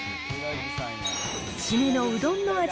締めのうどんの味